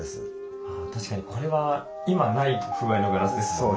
確かにこれは今ない風合いのガラスですもんね。